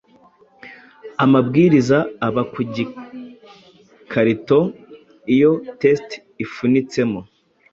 amabwiriza aba ku gikarito iyo test ifunitsemo